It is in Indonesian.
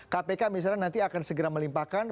kpk misalnya nanti akan segera melimpahkan